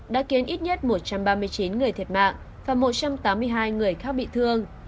đã khiến ít nhất một trăm ba mươi chín người thiệt mạng và một trăm tám mươi hai người khác bị thương